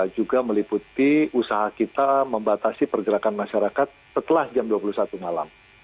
juga meliputi usaha kita membatasi pergerakan masyarakat setelah jam dua puluh satu malam